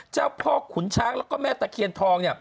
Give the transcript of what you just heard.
เจ้าพ่อขุนช้างแล้วก็แม่ตะเคียนทองเนี่ย